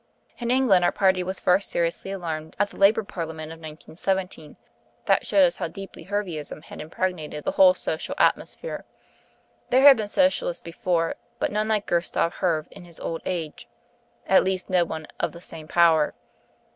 "In England our party was first seriously alarmed at the Labour Parliament of 1917. That showed us how deeply Herveism had impregnated the whole social atmosphere. There had been Socialists before, but none like Gustave Herve in his old age at least no one of the same power.